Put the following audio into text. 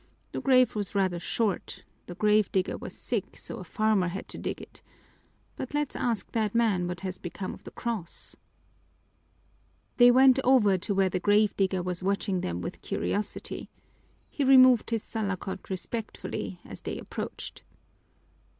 The grave was rather short. The grave digger was sick, so a farmer had to dig it. But let's ask that man what has become of the cross." They went over to where the grave digger was watching them with curiosity. He removed his salakot respectfully as they approached.